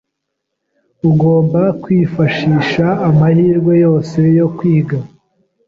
Ugomba kwifashisha amahirwe yose yo kwiga.